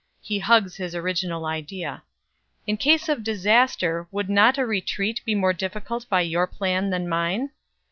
(He hugs his original idea.)... In case of disaster, would not a retreat be more difficult by your plan than mine?"